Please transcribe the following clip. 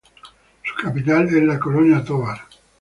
Su capital es la Colonia Tovar.